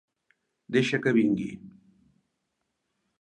Deixa que vingui.